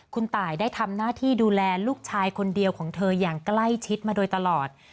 คุณตายได้ทำหน้าที่ดูแลลูกชายคนเดียวของเธออย่างใกล้ชิดมาโดยตลอด